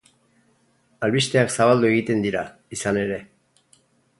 Albisteak zabaldu egiten dira, izan ere.